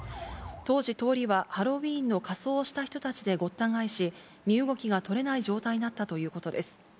当時、通りはハロウィーンの仮装をした人たちでごった返し、身動きが取れない状態だったということです。